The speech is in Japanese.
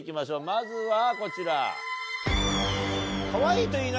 まずはこちら。